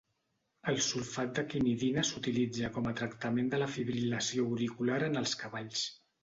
El sulfat de quinidina s'utilitza com a tractament de la fibril·lació auricular en els cavalls.